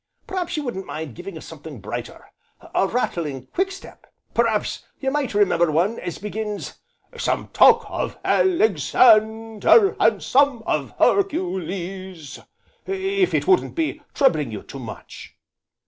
P'raps you wouldn't mind giving us something brighter a rattling quick step? P'raps you might remember one as begins: 'Some talk of Alexander And some, of Hercules;' if it wouldn't be troubling you too much?"